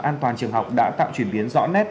an toàn trường học đã tạo chuyển biến rõ nét